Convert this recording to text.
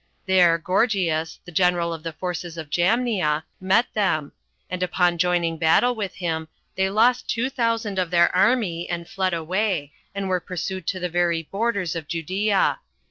There Gorgias, the general of the forces of Jamnia, met them; and upon joining battle with him, they lost two thousand of their army, 22 and fled away, and were pursued to the very borders of Judea.